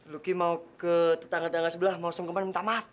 luki mau ke tetangga tetangga sebelah mau songkompan minta maaf